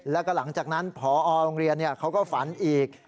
แล้วก็หลังจากนั้นพอโรงเรียนเขาก็ฝันอีก